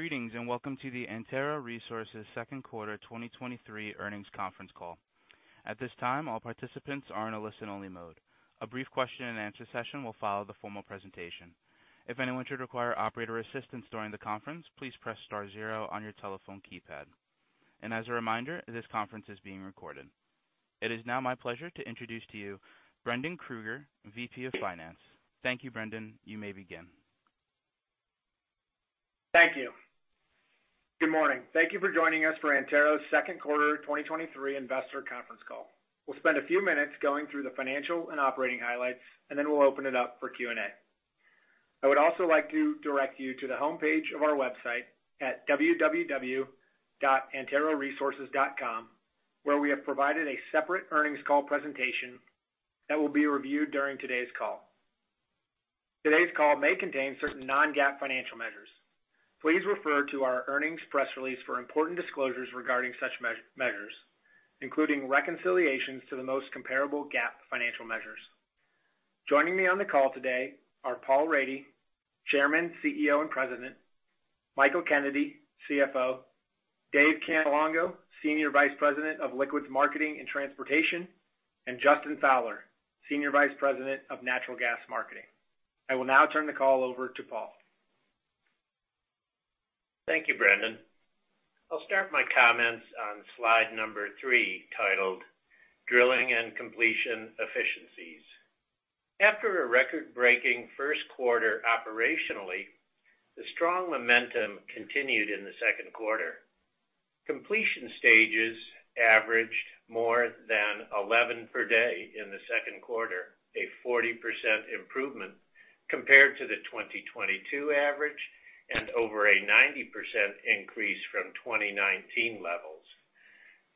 Greetings, welcome to the Antero Resources second quarter 2023 earnings conference call. At this time, all participants are in a listen-only mode. A brief question and answer session will follow the formal presentation. If anyone should require operator assistance during the conference, please press star 0 on your telephone keypad. As a reminder, this conference is being recorded. It is now my pleasure to introduce to you Brendan Krueger, VP of Finance. Thank you, Brendan. You may begin. Thank you. Good morning. Thank you for joining us for Antero's second quarter 2023 investor conference call. We'll spend a few minutes going through the financial and operating highlights, and then we'll open it up for Q&A. I would also like to direct you to the homepage of our website at www.anteroresources.com, where we have provided a separate earnings call presentation that will be reviewed during today's call. Today's call may contain certain non-GAAP financial measures. Please refer to our earnings press release for important disclosures regarding such measures, including reconciliations to the most comparable GAAP financial measures. Joining me on the call today are Paul Rady, Chairman, CEO, and President, Michael Kennedy, CFO, Dave Cannelongo, Senior Vice President of Liquids Marketing and Transportation, and Justin Fowler, Senior Vice President of Natural Gas Marketing. I will now turn the call over to Paul. Thank you, Brendan. I'll start my comments on slide number three, titled Drilling and Completion Efficiencies. After a record-breaking first quarter operationally, the strong momentum continued in the second quarter. Completion stages averaged more than 11 per day in the second quarter, a 40% improvement compared to the 2022 average and over a 90% increase from 2019 levels.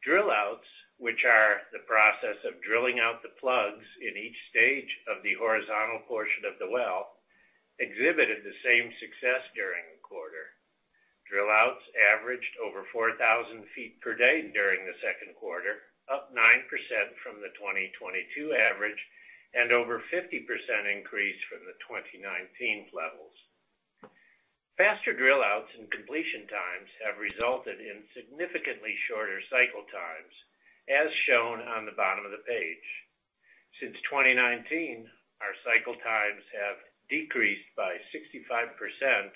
Drill outs, which are the process of drilling out the plugs in each stage of the horizontal portion of the well, exhibited the same success during the quarter. Drill outs averaged over 4,000 ft per day during the second quarter, up 9% from the 2022 average and over 50% increase from the 2019 levels. Faster drill outs and completion times have resulted in significantly shorter cycle times, as shown on the bottom of the page. Since 2019, our cycle times have decreased by 65%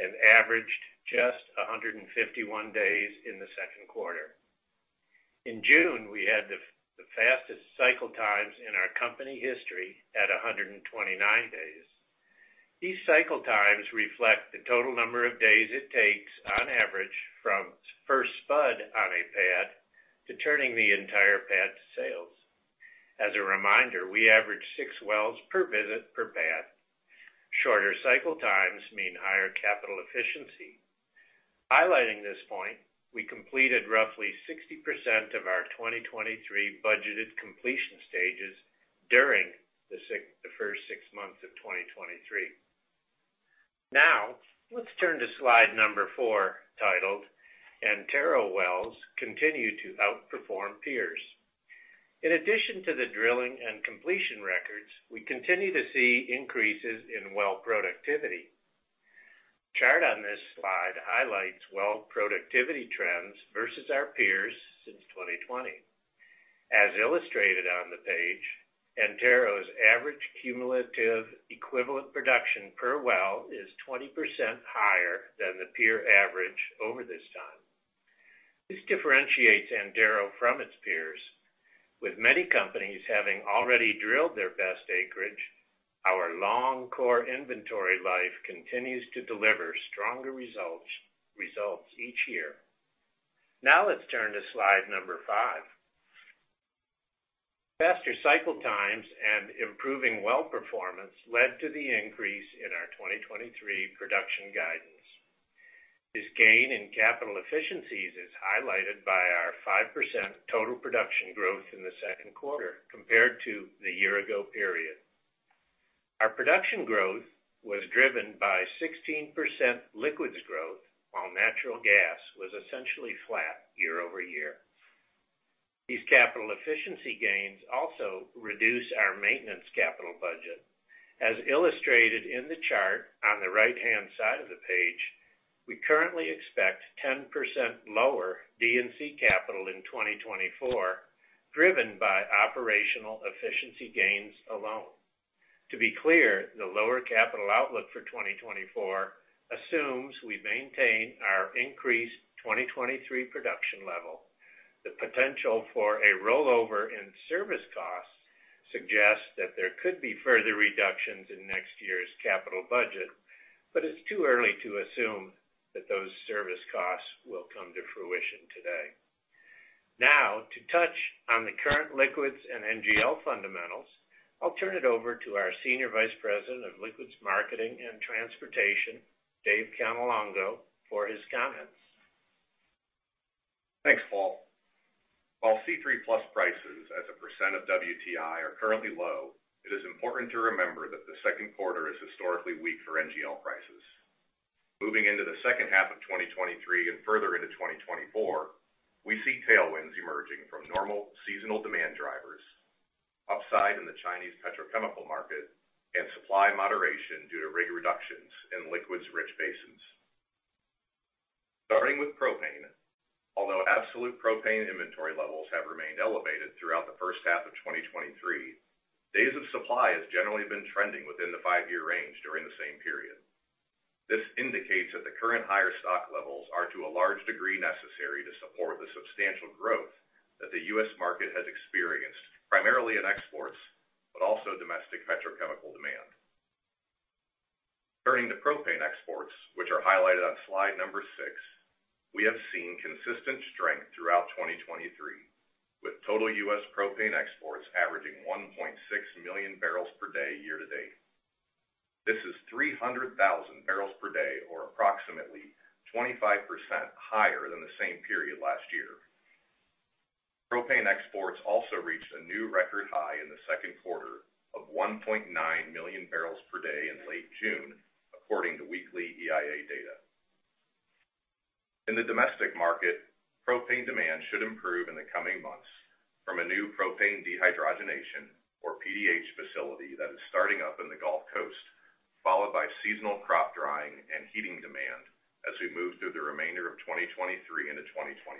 and averaged just 151 days in the second quarter. In June, we had the fastest cycle times in our company history at 129 days. These cycle times reflect the total number of days it takes on average from first spud on a pad to turning the entire pad to sales. As a reminder, we average six wells per visit per pad. Shorter cycle times mean higher capital efficiency. Highlighting this point, we completed roughly 60% of our 2023 budgeted completion stages during the first six months of 2023. Let's turn to slide four, titled, "Antero Wells Continue to Outperform Peers." In addition to the drilling and completion records, we continue to see increases in well productivity. The chart on this slide highlights well productivity trends versus our peers since 2020. As illustrated on the page, Antero's average cumulative equivalent production per well is 20% higher than the peer average over this time. This differentiates Antero from its peers. With many companies having already drilled their best acreage, our long core inventory life continues to deliver stronger results each year. Let's turn to slide number five. Faster cycle times and improving well performance led to the increase in our 2023 production guidance. This gain in capital efficiencies is highlighted by our 5% total production growth in the second quarter compared to the year-ago period. Our production growth was driven by 16% liquids growth, while natural gas was essentially flat year-over-year. These capital efficiency gains also reduce our maintenance capital budget. As illustrated in the chart on the right-hand side of the page, we currently expect 10% lower DNC capital in 2024, driven by operational efficiency gains alone. To be clear, the lower capital outlook for 2024 assumes we maintain our increased 2023 production level. The potential for a rollover in service costs suggests that there could be further reductions in next year's capital budget, but it's too early to assume that those service costs will come to fruition today. Now, to touch on the current liquids and NGL fundamentals, I'll turn it over to our Senior Vice President of Liquids Marketing and Transportation, Dave Cannelongo, for his comments. Thanks, Paul. While C3+ prices as a % of WTI are currently low, it is important to remember that the second quarter is historically weak for NGL prices. Moving into the second half of 2023 and further into 2024, we see tailwinds emerging from normal seasonal demand drivers. Upside in the Chinese petrochemical market and supply moderation due to rig reductions in liquids-rich basins. Starting with propane, although absolute propane inventory levels have remained elevated throughout the first half of 2023, days of supply has generally been trending within the five year range during the same period. This indicates that the current higher stock levels are, to a large degree, necessary to support the substantial growth that the U.S. market has experienced, primarily in exports, but also domestic petrochemical demand. Turning to propane exports, which are highlighted on slide number six, we have seen consistent strength throughout 2023, with total U.S. propane exports averaging 1.6 million barrels per day year to date. This is 300,000 barrels per day, or approximately 25% higher than the same period last year. Propane exports also reached a new record high in the second quarter of 1.9 million barrels per day in late June, according to weekly EIA data. In the domestic market, propane demand should improve in the coming months from a new propane dehydrogenation, or PDH facility, that is starting up in the Gulf Coast, followed by seasonal crop drying and heating demand as we move through the remainder of 2023 into 2024.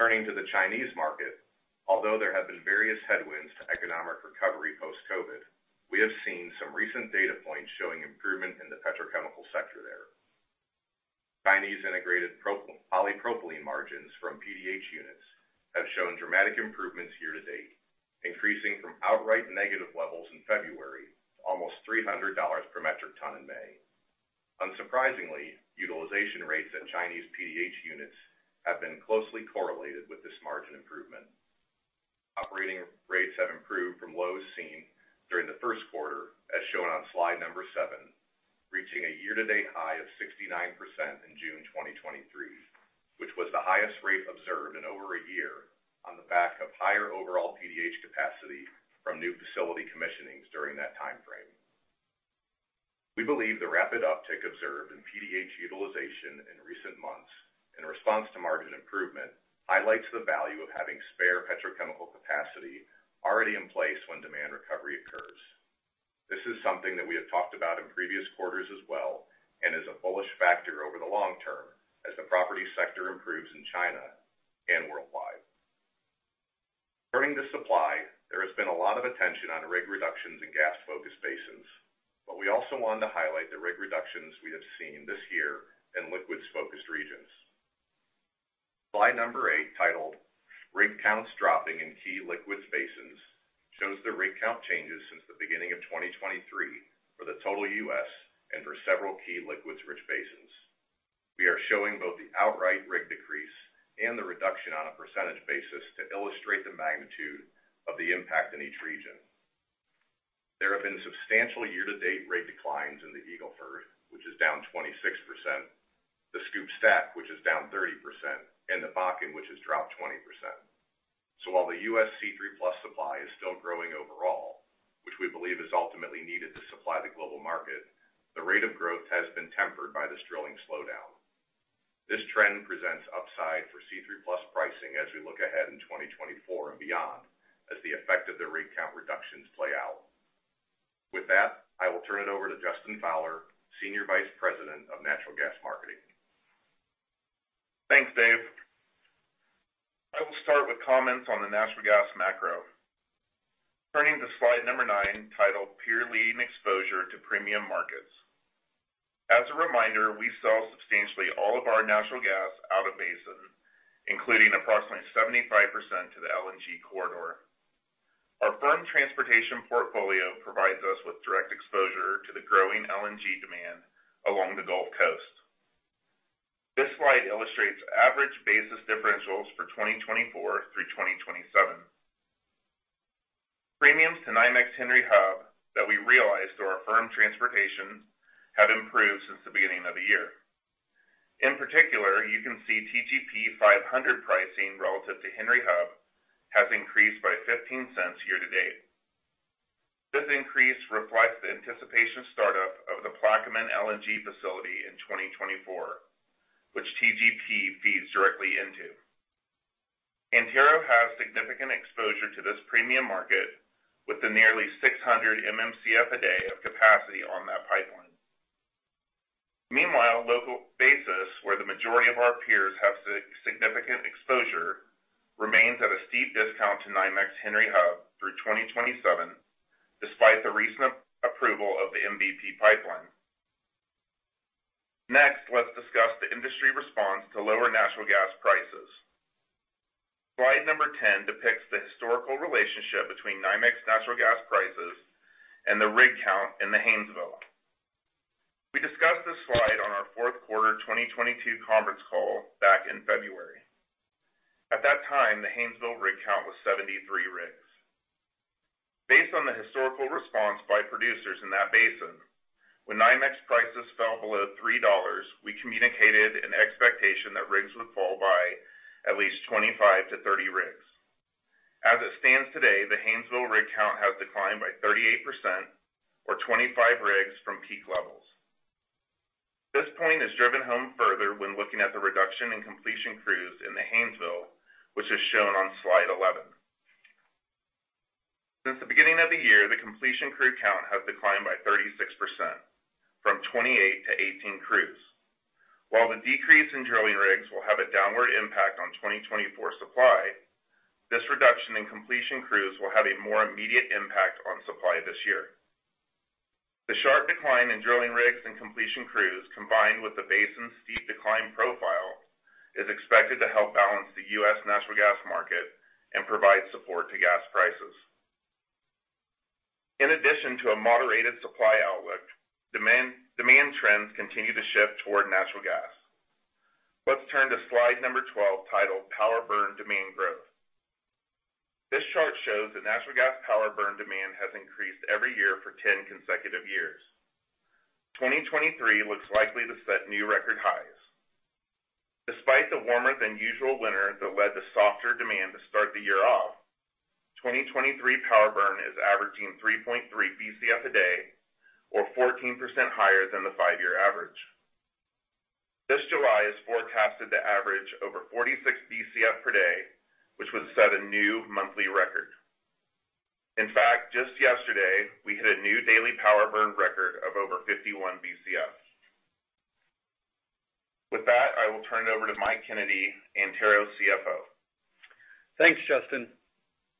Turning to the Chinese market, although there have been various headwinds to economic recovery post-COVID, we have seen some recent data points showing improvement in the petrochemical sector there. Chinese integrated polypropylene margins from PDH units have shown dramatic improvements year-to-date, increasing from outright negative levels in February to almost $300 per metric ton in May. Unsurprisingly, utilization rates at Chinese PDH units have been closely correlated with this margin improvement. Operating rates have improved from lows seen during the first quarter, as shown on slide number seven, reaching a year-to-date high of 69% in June 2023, which was the highest rate observed in over a year on the back of higher overall PDH capacity from new facility commissionings during that time frame. We believe the rapid uptick observed in PDH utilization in recent months, in response to margin improvement, highlights the value of having spare petrochemical capacity already in place when demand recovery occurs. This is something that we have talked about in previous quarters as well, and is a bullish factor over the long term as the property sector improves in China and worldwide. Turning to supply, there has been a lot of attention on rig reductions in gas-focused basins, but we also wanted to highlight the rig reductions we have seen this year in liquids-focused regions. Slide number eight, titled "Rig Counts Dropping in Key Liquids Basins," shows the rig count changes since the beginning of 2023 for the total U.S. and for several key liquids-rich basins. We are showing both the outright rig decrease and the reduction on a percentage basis to illustrate the magnitude of the impact in each region. There have been substantial year-to-date rate declines in the Eagle Ford, which is down 26%, the Scoop Stack, which is down 30%, and the Bakken, which is dropped 20%. While the U.S. C3+ supply is still growing overall, which we believe is ultimately needed to supply the global market, the rate of growth has been tempered by this drilling slowdown. This trend presents upside for C3+ pricing as we look ahead in 2024 and beyond, as the effect of the rig count reductions play out. With that, I will turn it over to Justin Fowler, Senior Vice President of Natural Gas Marketing. Thanks, Dave. I will start with comments on the natural gas macro. Turning to slide number nine, titled "Peer Leading Exposure to Premium Markets." As a reminder, we sell substantially all of our natural gas out of basin, including approximately 75% to the LNG corridor. Our firm transportation portfolio provides us with direct exposure to the growing LNG demand along the Gulf Coast. This slide illustrates average basis differentials for 2024-2027. Premiums to NYMEX Henry Hub that we realized through our firm transportation have improved since the beginning of the year. In particular, you can see TGP 500 pricing relative to Henry Hub has increased by $0.15 year to date. This increase reflects the anticipation startup of the Plaquemines LNG facility in 2024, which TGP feeds directly into. Antero has significant exposure to this premium market, with the nearly 600 MMcf a day of capacity on that pipeline. Meanwhile, local basis, where the majority of our peers have significant exposure, remains at a steep discount to NYMEX Henry Hub through 2027, despite the recent approval of the MVP pipeline. Let's discuss the industry response to lower natural gas prices. Slide number 10 depicts the historical relationship between NYMEX natural gas prices and the rig count in the Haynesville. We discussed this slide on our fourth quarter 2022 conference call back in February. At that time, the Haynesville rig count was 73 rigs. Based on the historical response by producers in that basin, when NYMEX prices fell below $3, we communicated an expectation that rigs would fall by at least 25 to 30 rigs. As it stands today, the Haynesville rig count has declined by 38%, or 25 rigs from peak levels. This point is driven home further when looking at the reduction in completion crews in the Haynesville, which is shown on slide 11. Since the beginning of the year, the completion crew count has declined by 36%, from 28 to 18 crews. While the decrease in drilling rigs will have a downward impact on 2024 supply, this reduction in completion crews will have a more immediate impact on supply this year. The sharp decline in drilling rigs and completion crews, combined with the basin's steep decline profile, is expected to help balance the US natural gas market and provide support to gas prices. In addition to a moderated supply outlook, demand trends continue to shift toward natural gas. Let's turn to slide number 12, titled Power Burn Demand Growth. This chart shows that natural gas power burn demand has increased every year for 10 consecutive years. 2023 looks likely to set new record highs. Despite the warmer than usual winter that led to softer demand to start the year off, 2023 power burn is averaging 3.3 BCF a day, or 14% higher than the 5-year average. This July is forecasted to average over 46 BCF per day, which would set a new monthly record. In fact, just yesterday, we hit a new daily power burn record of over 51 BCF. With that, I will turn it over to Mike Kennedy, Antero CFO. Thanks, Justin.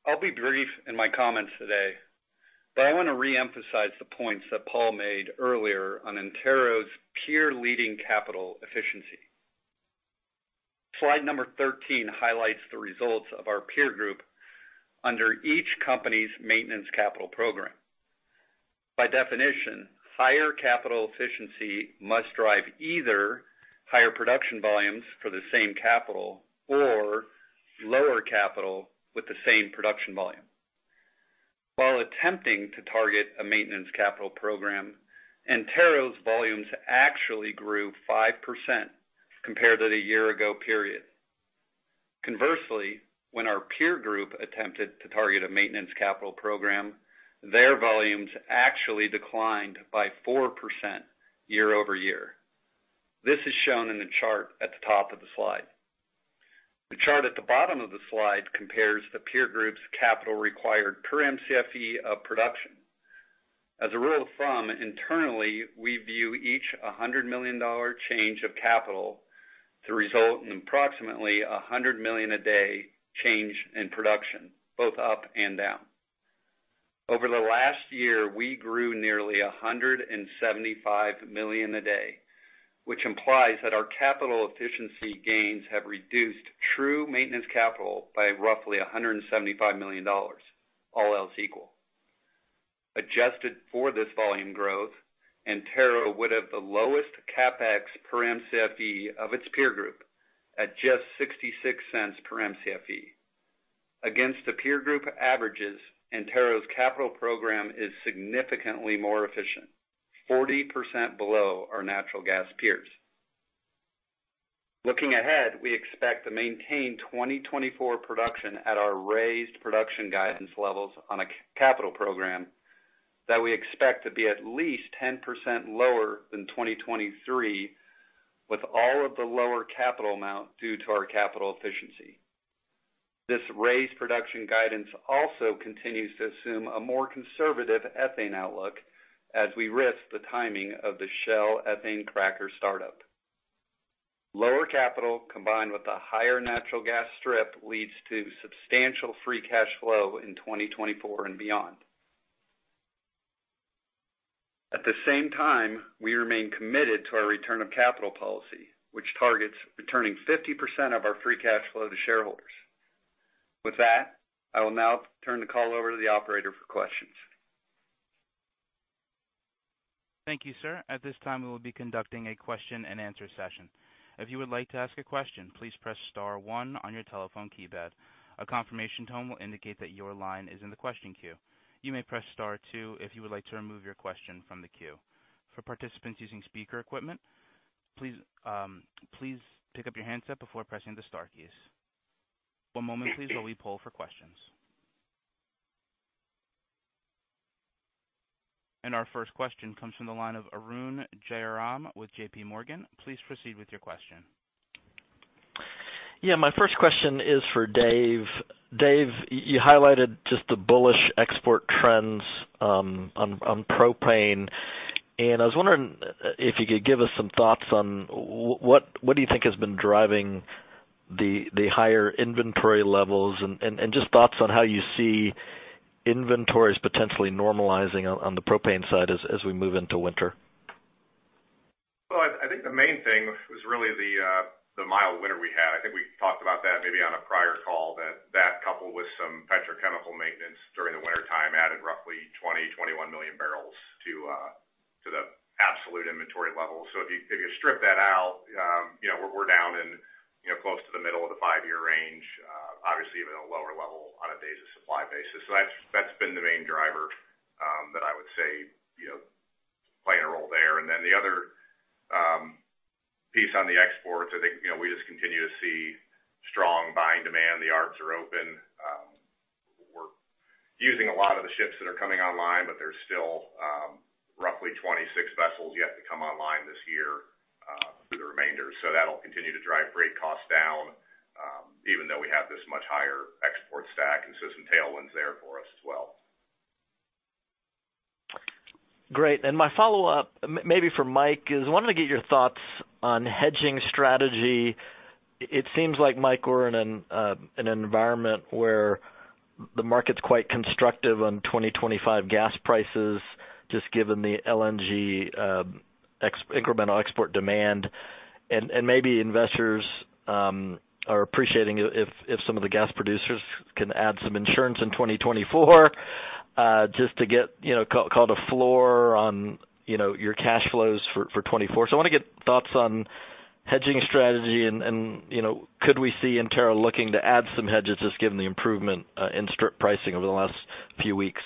I'll be brief in my comments today, but I want to reemphasize the points that Paul made earlier on Antero's peer-leading capital efficiency. Slide number 13 highlights the results of our peer group under each company's maintenance capital program. By definition, higher capital efficiency must drive either higher production volumes for the same capital or lower capital with the same production volume. Conversely, when our peer group attempted to target a maintenance capital program, their volumes actually declined by 4% year-over-year. This is shown in the chart at the top of the slide. The chart at the bottom of the slide compares the peer group's capital required per Mcfe of production. As a rule of thumb, internally, we view each $100 million change of capital to result in approximately $100 million a day change in production, both up and down. Over the last year, we grew nearly $175 million a day, which implies that our capital efficiency gains have reduced true maintenance capital by roughly $175 million, all else equal. Adjusted for this volume growth, Antero would have the lowest CapEx per Mcfe of its peer group at just $0.66 per Mcfe. Against the peer group averages, Antero's capital program is significantly more efficient, 40% below our natural gas peers. Looking ahead, we expect to maintain 2024 production at our raised production guidance levels on a capital program that we expect to be at least 10% lower than 2023, with all of the lower capital amount due to our capital efficiency. This raised production guidance also continues to assume a more conservative ethane outlook as we risk the timing of the Shell ethane cracker startup. Lower capital, combined with a higher natural gas strip, leads to substantial free cash flow in 2024 and beyond. At the same time, we remain committed to our return of capital policy, which targets returning 50% of our free cash flow to shareholders. With that, I will now turn the call over to the operator for questions. Thank you, sir. At this time, we will be conducting a question and answer session. If you would like to ask a question, please press star one on your telephone keypad. A confirmation tone will indicate that your line is in the question queue. You may press star two if you would like to remove your question from the queue. For participants using speaker equipment, please pick up your handset before pressing the star keys. One moment, please, while we pull for questions. Our first question comes from the line of Arun Jayaram with JPMorgan. Please proceed with your question. Yeah, my first question is for Dave. Dave, you highlighted just the bullish export trends, on propane, and I was wondering if you could give us some thoughts on what do you think has been driving the higher inventory levels, and just thoughts on how you see inventories potentially normalizing on the propane side as we move into winter? Well, I think the main thing was really the mild winter we had. I think we talked about that maybe on a prior call, that that, coupled with some petrochemical maintenance during the wintertime, added roughly 20-21 million barrels to the absolute inventory level. If you strip that out, you know, we're down in, you know, close to the middle of the five-year range, obviously, even a lower level on a days of supply basis. That's been the main driver that I would say, you know, playing a role there. The other piece on the exports, I think, you know, we just continue to see strong buying demand. The arbs are open, using a lot of the ships that are coming online. There's still roughly 26 vessels yet to come online this year, through the remainder. That'll continue to drive freight costs down, even though we have this much higher export stack. Some tailwinds there for us as well. Great. My follow-up, maybe for Mike, is I wanted to get your thoughts on hedging strategy. It seems like, Mike, we're in an environment where the market's quite constructive on 2025 gas prices, just given the LNG incremental export demand. Maybe investors are appreciating if some of the gas producers can add some insurance in 2024, just to get, you know, call it a floor on, you know, your cash flows for 2024. I want to get thoughts on hedging strategy and, you know, could we see Antero looking to add some hedges, just given the improvement in strip pricing over the last few weeks?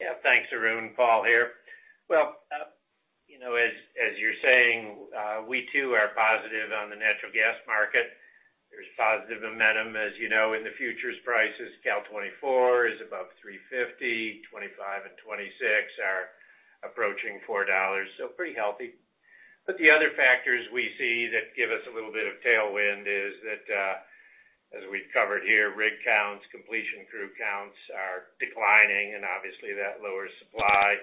Yeah. Thanks, Arun. Paul here. Well, you know, as you're saying, we too are positive on the natural gas market. There's positive momentum, as you know, in the futures prices. Cal 2024 is above $3.50, 2025 and 2026 are approaching $4, so pretty healthy. The other factors we see that give us a little bit of tailwind is that, as we've covered here, rig counts, completion crew counts are declining, and obviously, that lowers supply.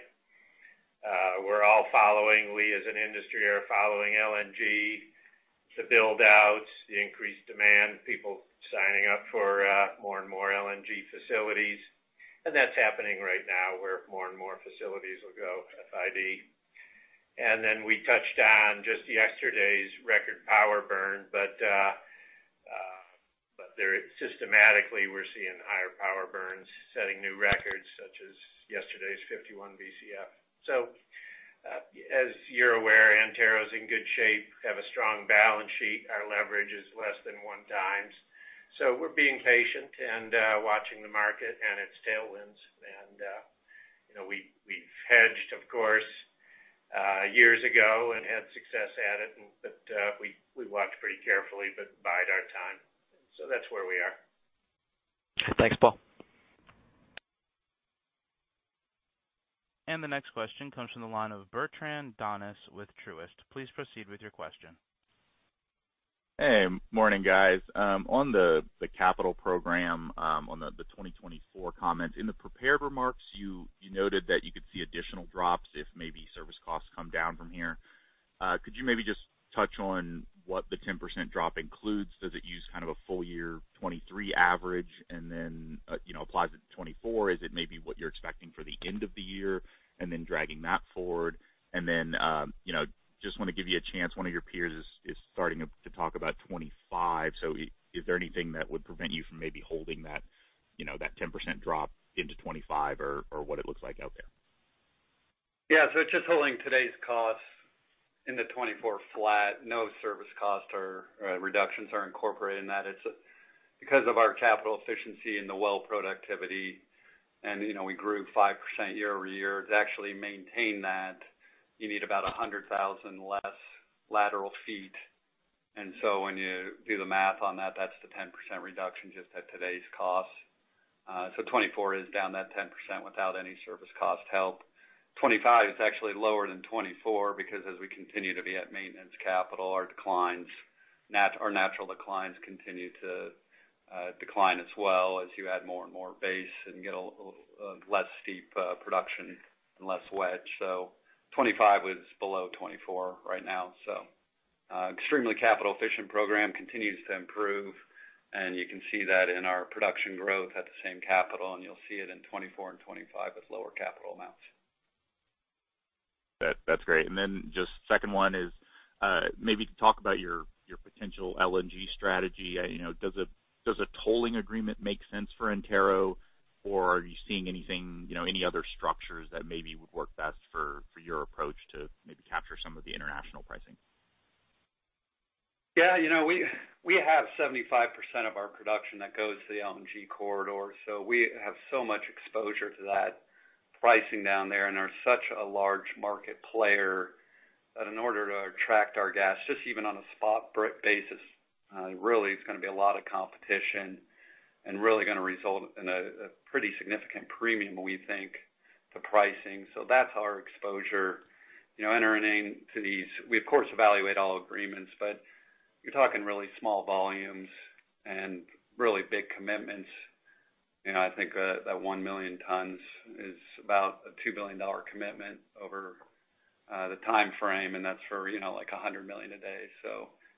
We, as an industry, are following LNG, the build-outs, the increased demand, people signing up for more and more LNG facilities. That's happening right now, where more and more facilities will go FID. We touched on just yesterday's record power burn, but systematically, we're seeing higher power burns, setting new records, such as yesterday's 51 BCF. As you're aware, Antero's in good shape, have a strong balance sheet. Our leverage is less than one times. We're being patient and watching the market and its tailwinds. You know, we've hedged, of course, years ago and had success at it, but we watched pretty carefully, but bide our time. That's where we are. Thanks, Paul. The next question comes from the line of Bertrand Donnes with Truist. Please proceed with your question. Hey, morning, guys. On the capital program, on the 2024 comment, in the prepared remarks, you noted that you could see additional drops if maybe service costs come down from here. Could you maybe just touch on what the 10% drop includes? Does it use kind of a full year 2023 average, and then, you know, applies it to 2024? Is it maybe what you're expecting for the end of the year and then dragging that forward? Then, you know, just want to give you a chance, one of your peers is starting to talk about 2025. Is there anything that would prevent you from maybe holding that, you know, that 10% drop into 2025, or what it looks like out there? Yeah, just holding today's costs into 2024 flat, no service costs or reductions are incorporated in that. Because of our capital efficiency and the well productivity, and, you know, we grew 5% year-over-year, to actually maintain that, you need about 100,000 less lateral feet. When you do the math on that, that's the 10% reduction just at today's costs. 2024 is down that 10% without any service cost help. 2025 is actually lower than 2024, because as we continue to be at maintenance capital, our natural declines continue to decline as well, as you add more and more base and get a less steep production and less wedge. 2025 is below 2024 right now, so, extremely capital efficient program continues to improve, and you can see that in our production growth at the same capital, and you'll see it in 2024 and 2025 with lower capital amounts. That's great. just second one is, maybe talk about your potential LNG strategy. you know, does a tolling agreement make sense for Antero, or are you seeing anything, you know, any other structures that maybe would work best for your approach to maybe capture some of the international pricing? You know, we have 75% of our production that goes to the LNG corridor, so we have so much exposure to that pricing down there and are such a large market player that in order to attract our gas, just even on a spot basis, really, it's gonna be a lot of competition and really gonna result in a pretty significant premium, we think, to pricing. That's our exposure. You know, entering into these. We, of course, evaluate all agreements, but you're talking really small volumes and really big commitments. You know, I think that 1 million tons is about a $2 billion commitment over the timeframe, and that's for, you know, like, 100 million a day.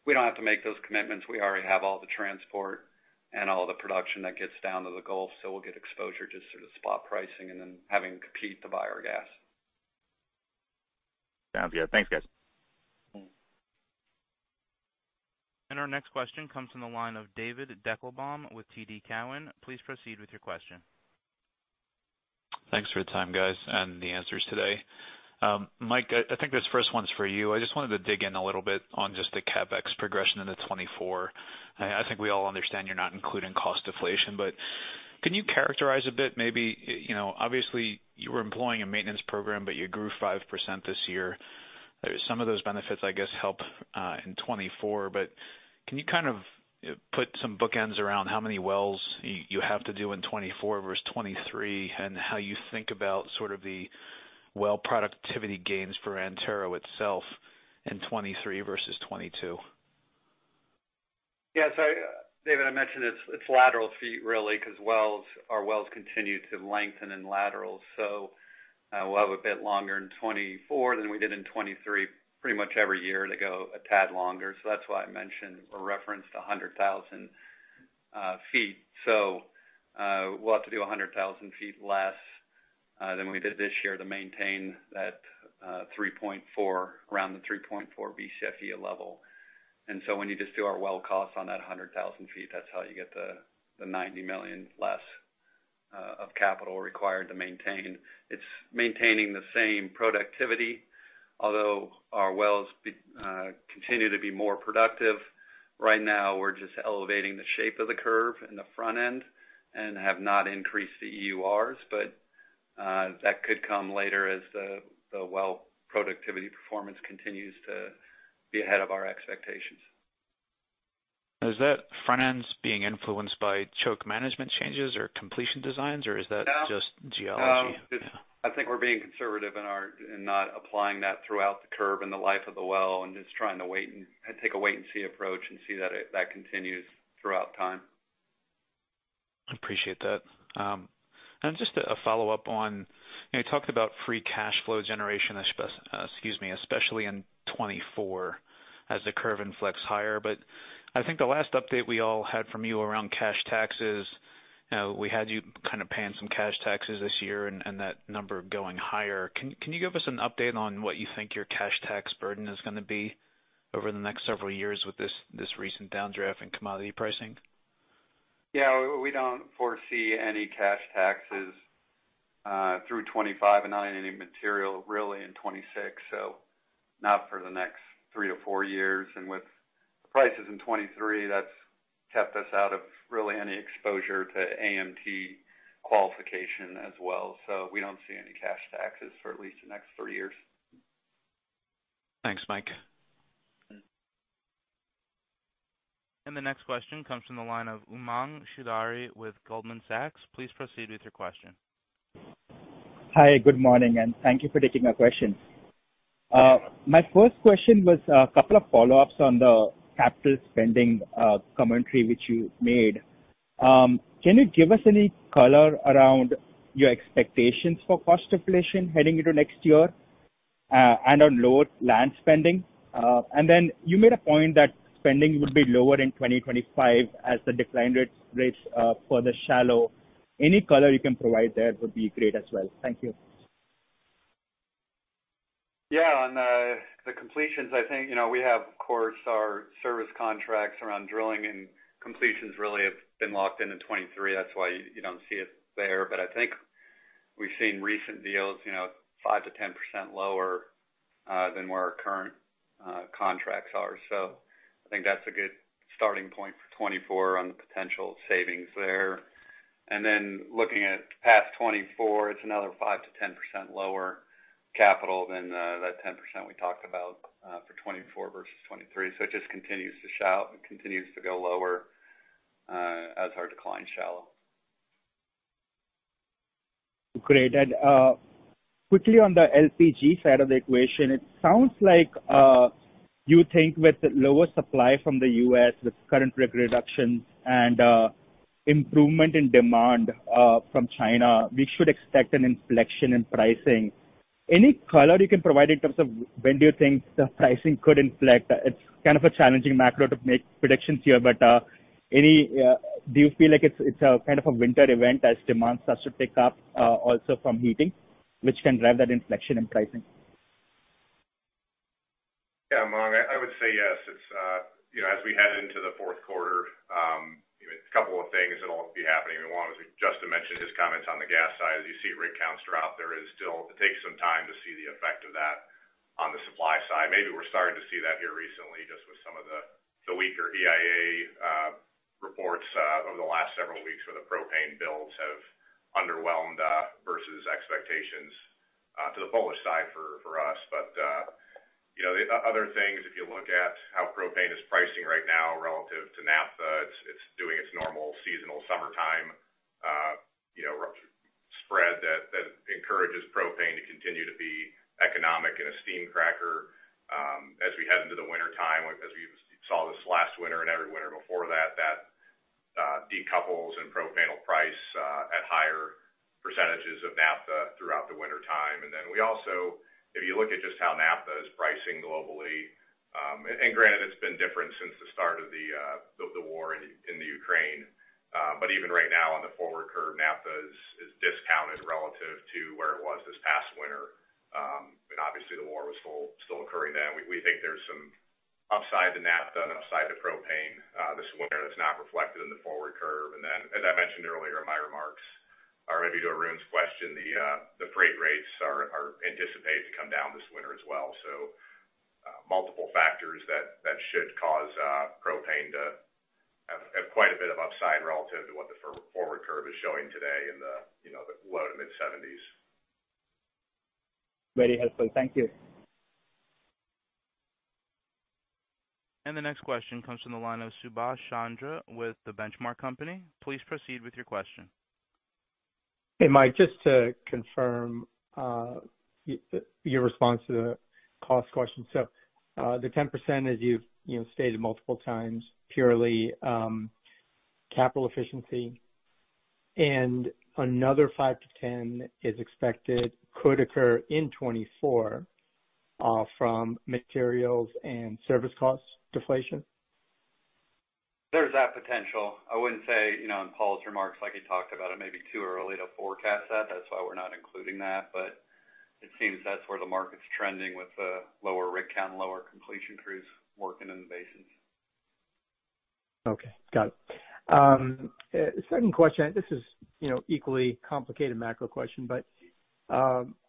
We don't have to make those commitments. We already have all the transport and all the production that gets down to the Gulf. We'll get exposure just through the spot pricing and then having to compete to buy our gas. Sounds good. Thanks, guys. Our next question comes from the line of David Deckelbaum with TD Cowen. Please proceed with your question. Thanks for the time, guys, and the answers today. Mike, I think this first one's for you. I just wanted to dig in a little bit on just the CapEx progression into 2024. I think we all understand you're not including cost deflation, but can you characterize a bit, maybe, you know, obviously, you were employing a maintenance program, but you grew 5% this year. Some of those benefits, I guess, help in 2024. Can you kind of put some bookends around how many wells you have to do in 2024 versus 2023, and how you think about sort of the well productivity gains for Antero itself in 2023 versus 2022? Yeah. David, I mentioned it's lateral feet, really, because our wells continue to lengthen in laterals. we'll have a bit longer in 2024 than we did in 2023. Pretty much every year, they go a tad longer. That's why I mentioned or referenced 100,000 ft. we'll have to do 100,000 ft less than we did this year to maintain that 3.4, around the 3.4 BCFE level. When you just do our well costs on that 100,000 ft, that's how you get the $90 million less of capital required to maintain. It's maintaining the same productivity, although our wells continue to be more productive. Right now, we're just elevating the shape of the curve in the front end and have not increased the EURs, but that could come later as the well productivity performance continues to be ahead of our expectations. Is that front ends being influenced by choke management changes or completion designs, or is that-? No. Just geology? No. I think we're being conservative in not applying that throughout the curve and the life of the well and just trying to take a wait-and-see approach and see that that continues throughout time. Appreciate that. And just a, a follow-up on... You talked about free cash flow generation, especially in 2024, as the curve inflects higher. I think the last update we all had from you around cash taxes, we had you kind of paying some cash taxes this year and that number going higher. Can you give us an update on what you think your cash tax burden is gonna be over the next several years with this recent downdraft in commodity pricing? We don't foresee any cash taxes through 2025, and not any material, really, in 2026, so not for the next three to four years. With prices in 2023, that's kept us out of really any exposure to AMT qualification as well. We don't see any cash taxes for at least the next three years. Thanks, Mike. The next question comes from the line of Umang Choudhary with Goldman Sachs. Please proceed with your question. Hi, good morning, thank you for taking my question. My first question was a couple of follow-ups on the capital spending commentary which you made. Can you give us any color around your expectations for cost inflation heading into next year, and on lower land spending? Then you made a point that spending would be lower in 2025 as the decline rates for the shallow. Any color you can provide there would be great as well. Thank you. Yeah. On the completions, I think, you know, we have, of course, our service contracts around drilling and completions really have been locked in 2023. That's why you, you don't see it there. I think we've seen recent deals, you know, 5%-10% lower than where our current contracts are. I think that's a good starting point for 2024 on the potential savings there. Then looking at past 2024, it's another 5%-10% lower capital than that 10% we talked about for 2024 versus 2023. It just continues to shout, and continues to go lower, as our decline shallow. Great. Quickly on the LPG side of the equation, it sounds like you think with the lower supply from the U.S., with current rig reduction and improvement in demand from China, we should expect an inflection in pricing. Any color you can provide in terms of when do you think the pricing could inflect? It's kind of a challenging macro to make predictions here, but any... Do you feel like it's a kind of a winter event as demand starts to pick up also from heating, which can drive that inflection in pricing? Umang, I would say yes. It's, you know, as we head into the fourth quarter, a couple of things that'll be happening. One, as Justin mentioned, his comments on the gas side, as you see rig counts drop, it takes some time to see the effect of that on the supply side. Maybe we're starting to see that here recently, just with some of the weaker EIA reports over the last several weeks, where the propane builds have underwhelmed versus expectations to the bullish side for us. You know, other things, if you look at how propane is pricing right now relative to naphtha, it's doing its normal seasonal summertime, you know, spread that encourages propane to continue to be economic and a steam cracker, as we head into the wintertime, as we saw this last winter and every winter before that, that decouples and propane price at higher percentages of naphtha throughout the wintertime. We also. If you look at just how naphtha is pricing globally, and granted, it's been different since the start of the war in the Ukraine. Even right now, on the forward curve, naphtha is, is discounted relative to where it was this past winter. Obviously, the war was still occurring then. We think there's some upside to naphtha and upside to propane this winter that's not reflected in the forward curve. Then, as I mentioned earlier in my remarks, or maybe to Arun's question, the freight rates are anticipated to come down this winter as well. Multiple factors that should cause propane to have quite a bit of upside relative to what the forward curve is showing today in the, you know, the low to mid-70s. Very helpful. Thank you. The next question comes from the line of Subash Chandra with The Benchmark Company. Please proceed with your question. Hey, Mike, just to confirm your response to the cost question. The 10%, as you've, you know, stated multiple times, purely capital efficiency, and another 5%-10% is expected, could occur in 2024 from materials and service cost deflation? There's that potential. I wouldn't say, you know, in Paul's remarks, like he talked about, it may be too early to forecast that. That's why we're not including that. It seems that's where the market's trending with the lower rig count and lower completion crews working in the basins. Okay, got it. Second question, this is, you know, equally complicated macro question, but,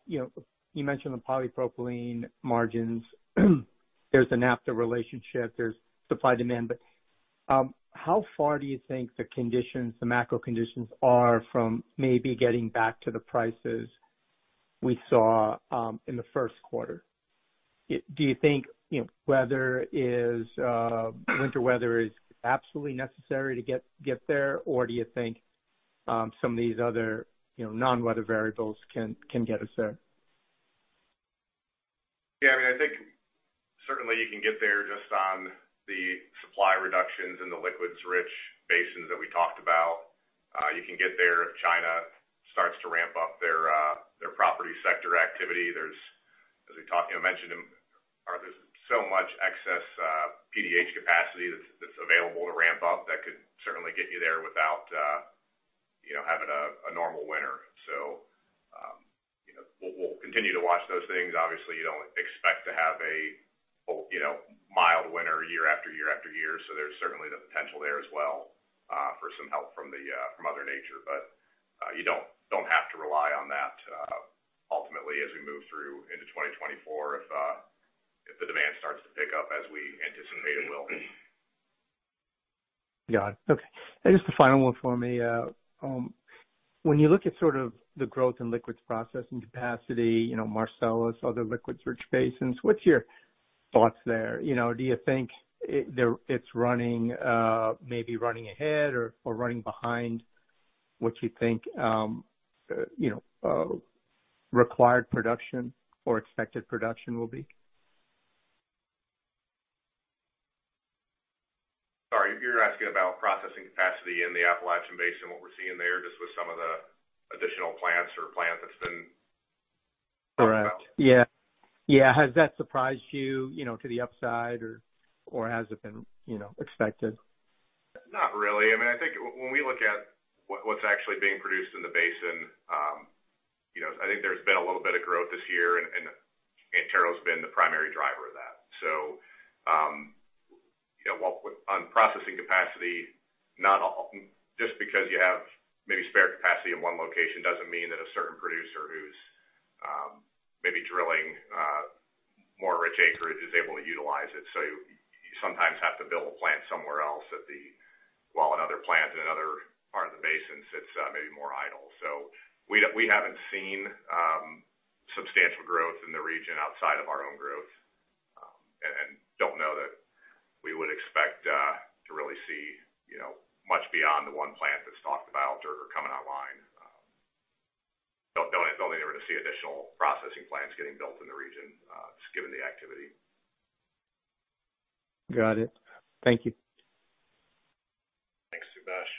you know, you mentioned the polypropylene margins. There's a naphtha relationship, there's supply-demand, but, how far do you think the conditions, the macro conditions are from maybe getting back to the prices we saw in the first quarter? Do you think, you know, weather is winter weather is absolutely necessary to get there? Do you think some of these other, you know, non-weather variables can get us there? Yeah, I mean, I think certainly you can get there just on the supply reductions in the liquids-rich basins that we talked about. You can get there if China starts to ramp up their property sector activity. There's, as we talked, you know, mentioned in, there's so much excess PDH capacity that's available to ramp up, that could certainly get you there without, you know, having a normal winter. You know, we'll continue to watch those things. Obviously, you don't expect to have a, you know, mild winter year after year after year, so there's certainly the potential there as well, for some help from the, from Mother Nature. You don't have to rely on that, ultimately, as we move through into 2024, if, if the demand starts to pick up as we anticipate it will. Got it. Okay, just the final one for me. When you look at sort of the growth in liquids processing capacity, you know, Marcellus, other liquids-rich basins, what's your thoughts there? You know, do you think it's running maybe running ahead or running behind what you think, you know, required production or expected production will be? Sorry. You're asking about processing capacity in the Appalachian Basin, what we're seeing there, just with some of the additional plants or plant that's been talked about? Correct. Yeah. Has that surprised you, you know, to the upside or has it been, you know, expected? Not really. I mean, when we look at what's actually being produced in the basin, you know, I think there's been a little bit of growth this year, and Antero's been the primary driver of that. You know, well, on processing capacity, not all. Just because you have maybe spare capacity in one location, doesn't mean that a certain producer who's, maybe drilling, more rich acreage is able to utilize it. You sometimes have to build a plant somewhere else at the while another plant in another part of the basin sits, maybe more idle. We haven't seen substantial growth in the region outside of our own growth, and don't know that we would expect to really see, you know, much beyond the one plant that's talked about or coming online. Don't think we're going to see additional processing plants getting built in the region, just given the activity. Got it. Thank you. Thanks, Subash.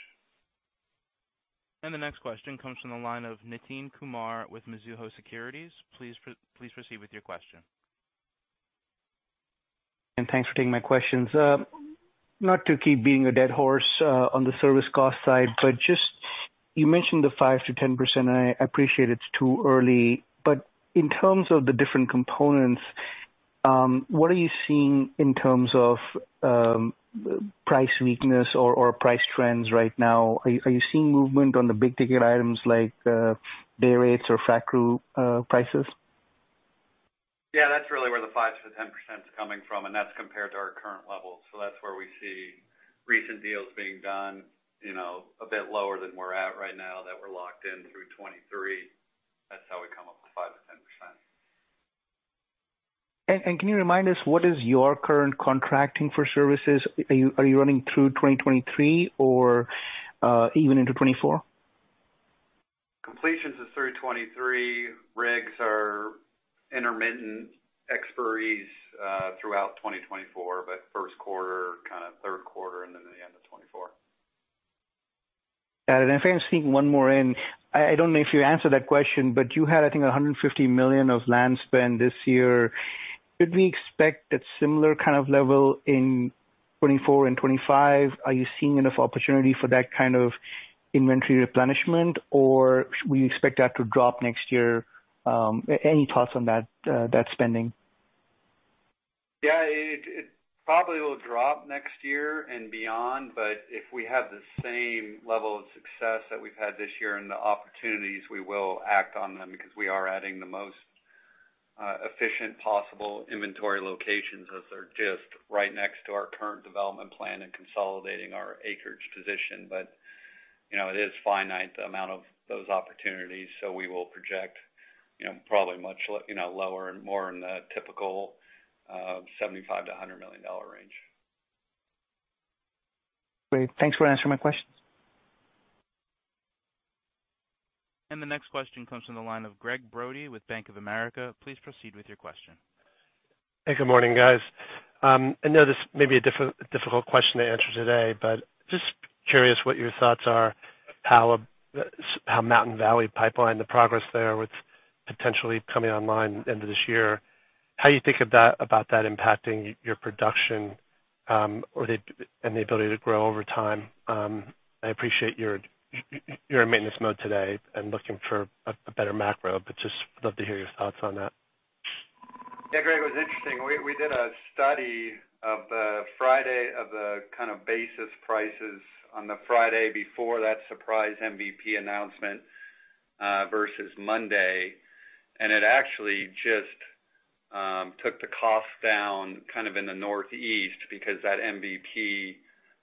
The next question comes from the line of Nitin Kumar with Mizuho Securities. Please proceed with your question. Thanks for taking my questions. Not to keep beating a dead horse on the service cost side, you mentioned the 5%-10%. I appreciate it's too early, in terms of the different components, what are you seeing in terms of price weakness or price trends right now? Are you seeing movement on the big ticket items like dayrates or frac crew prices? That's really where the 5%-10% is coming from, and that's compared to our current levels. That's where we see recent deals being done, you know, a bit lower than we're at right now, that we're locked in through 2023. That's how we come up with 5%-10%. Can you remind us, what is your current contracting for services? Are you, are you running through 2023 or even into 2024? Completions is through 2023. Rigs are intermittent expiries throughout 2024, but first quarter, kind of third quarter, and then the end of 2024. Got it. If I can sneak one more in. I don't know if you answered that question, but you had, I think, $150 million of land spend this year. Could we expect a similar kind of level in 2024 and 2025? Are you seeing enough opportunity for that kind of inventory replenishment, or should we expect that to drop next year? Any thoughts on that spending? It probably will drop next year and beyond, but if we have the same level of success that we've had this year and the opportunities, we will act on them because we are adding the most efficient possible inventory locations as they're just right next to our current development plan and consolidating our acreage position. You know, it is finite, the amount of those opportunities, so we will project, you know, probably much lower and more in the typical, $75 million-$100 million range. Great. Thanks for answering my questions. The next question comes from the line of Gregg Brody with Bank of America. Please proceed with your question. Hey, good morning, guys. I know this may be a difficult question to answer today, but just curious what your thoughts are, how Mountain Valley Pipeline, the progress there, with potentially coming online end of this year, how you think about that impacting your production, or and the ability to grow over time? I appreciate you're in maintenance mode today and looking for a better macro, but just would love to hear your thoughts on that. Yeah, Gregg, it was interesting. We did a study of the Friday of the kind of basis prices on the Friday before that surprise MVP announcement versus Monday. It actually just took the cost down kind of in the Northeast, because that MVP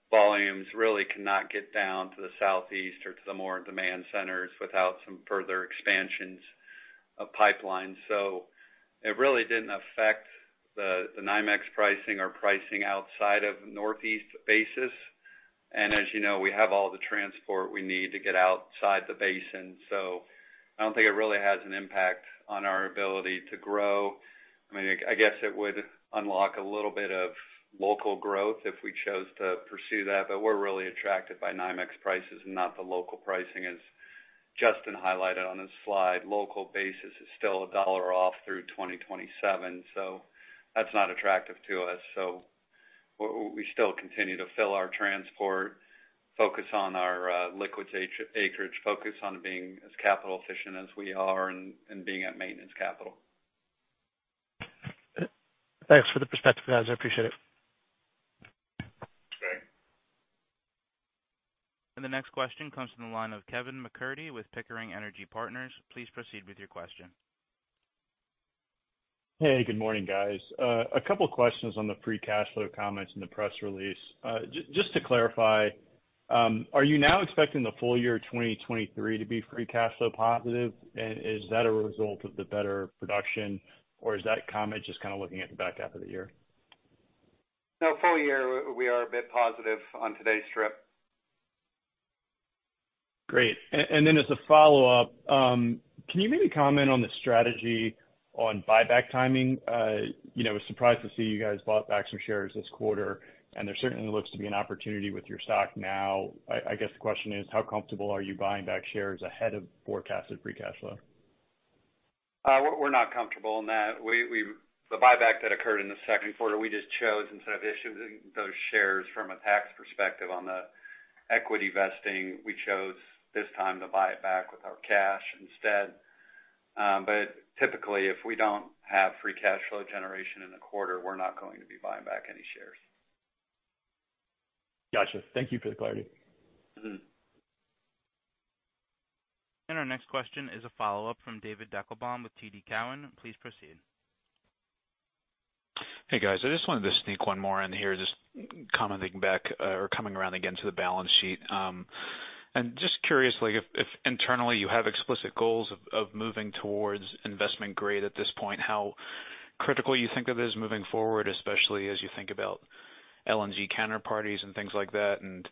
volumes really cannot get down to the Southeast or to the more demand centers without some further expansions of pipelines. It really didn't affect the NYMEX pricing or pricing outside of Northeast basis. As you know, we have all the transport we need to get outside the basin. I don't think it really has an impact on our ability to grow. I mean, I guess it would unlock a little bit of local growth if we chose to pursue that, but we're really attracted by NYMEX prices and not the local pricing. As Justin highlighted on his slide, local basis is still $1 off through 2027, that's not attractive to us. We still continue to fill our transport, focus on our liquids acreage, focus on being as capital efficient as we are and being at maintenance capital. Thanks for the perspective, guys. I appreciate it. Okay. The next question comes from the line of Kevin MacCurdy with Pickering Energy Partners. Please proceed with your question. Hey, good morning, guys. A couple questions on the free cash flow comments in the press release. Just to clarify, are you now expecting the full year 2023 to be free cash flow positive? Is that a result of the better production, or is that comment just kind of looking at the back half of the year? Full year, we are a bit positive on today's strip. Great. Then as a follow-up, can you maybe comment on the strategy on buyback timing? You know, I was surprised to see you guys bought back some shares this quarter, and there certainly looks to be an opportunity with your stock now. I guess the question is: How comfortable are you buying back shares ahead of forecasted free cash flow? We're not comfortable in that. We the buyback that occurred in the second quarter, we just chose, instead of issuing those shares from a tax perspective on the equity vesting, we chose this time to buy it back with our cash instead. Typically, if we don't have free cash flow generation in a quarter, we're not going to be buying back any shares. Gotcha. Thank you for the clarity. Mm-hmm. Our next question is a follow-up from David Deckelbaum with TD Cowen. Please proceed. Hey, guys. I just wanted to sneak one more in here, just commenting back, or coming around again to the balance sheet. Just curiously, if, if internally you have explicit goals of, of moving towards investment grade at this point, how critical you think of it as moving forward, especially as you think about LNG counterparties and things like that, and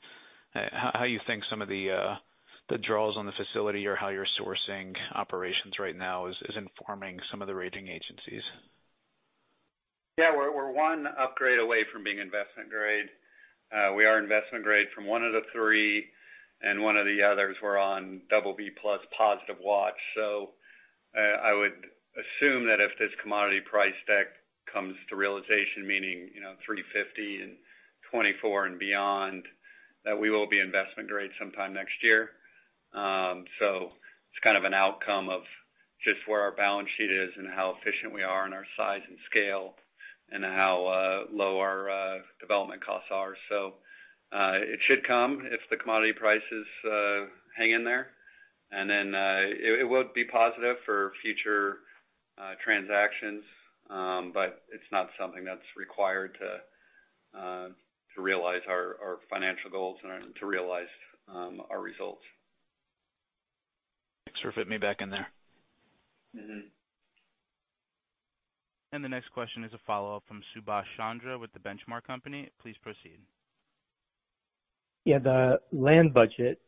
how, how you think some of the, the draws on the facility or how you're sourcing operations right now is, is informing some of the rating agencies? Yeah, we're one upgrade away from being investment grade. We are investment grade from one of the three, and one of the others we're on double B plus positive watch. I would assume that if this commodity price deck comes to realization, meaning, you know, $3.50 and 2024 and beyond, that we will be investment grade sometime next year. It's kind of an outcome of just where our balance sheet is and how efficient we are in our size and scale, and how low our development costs are. It should come if the commodity prices hang in there, it would be positive for future transactions. It's not something that's required to realize our financial goals and to realize our results. Thanks for fitting me back in there. Mm-hmm. The next question is a follow-up from Subash Chandra with The Benchmark Company. Please proceed. The land budget,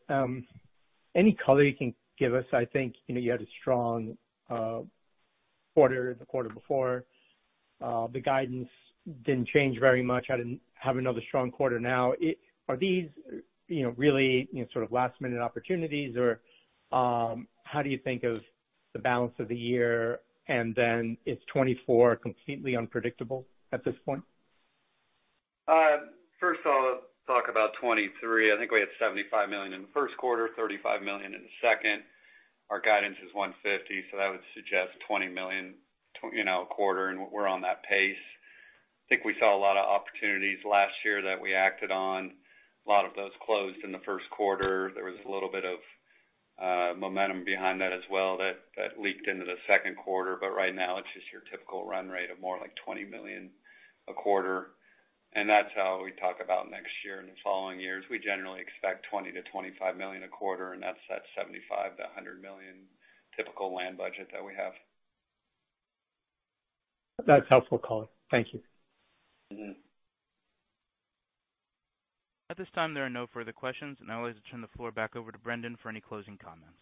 any color you can give us? I think, you know, you had a strong quarter, the quarter before. The guidance didn't change very much. Had another strong quarter now. Are these, you know, really, you know, sort of last-minute opportunities, or, how do you think of the balance of the year, and then is 2024 completely unpredictable at this point? First of all, talk about 2023. I think we had $75 million in the first quarter, $35 million in the second. Our guidance is $150, so that would suggest $20 million, you know, a quarter, and we're on that pace. I think we saw a lot of opportunities last year that we acted on. A lot of those closed in the 1st quarter. There was a little bit of momentum behind that as well, that leaked into the second quarter, but right now it's just your typical run rate of more like $20 million a quarter. That's how we talk about next year and the following years. We generally expect $20 million-$25 million a quarter, and that's that $75 million-$100 million typical land budget that we have. That's helpful color. Thank you. Mm-hmm. At this time, there are no further questions, and I will turn the floor back over to Brendan for any closing comments.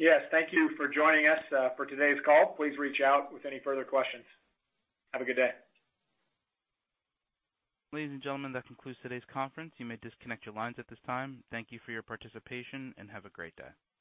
Yes, thank you for joining us for today's call. Please reach out with any further questions. Have a good day. Ladies and gentlemen, that concludes today's conference. You may disconnect your lines at this time. Thank you for your participation, have a great day.